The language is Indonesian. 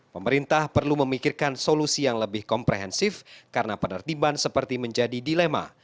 pemerintah perlu memikirkan solusi yang lebih komprehensif karena penertiban seperti menjadi dilema